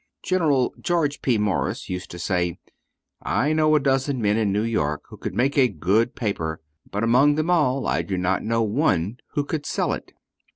General George P. Morris used to say: "I know a dozen men in New York who could make a good paper, but among them all I do not know one who could sell it."